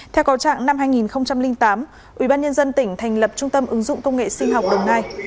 theo cầu trạng năm hai nghìn tám ubnd tỉnh thành lập trung tâm ứng dụng công nghệ sinh học đồng nai